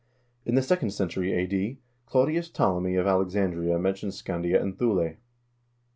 In the second century a.d. Claudius Ptolemy of Alexandria men tions Scandia and Thule.